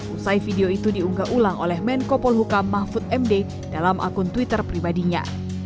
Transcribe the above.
usai video itu diunggah ulang oleh menko polhukam mahfud md dalam akun twitter pribadinya